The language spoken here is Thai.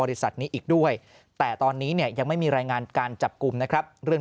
บริษัทนี้อีกด้วยแต่ตอนนี้เนี่ยยังไม่มีรายงานการจับกลุ่มนะครับเรื่อง